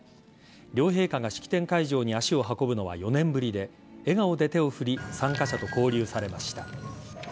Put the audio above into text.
両陛下が式典会場に足を運ぶのは４年ぶりで笑顔で手を振り参加者と交流されました。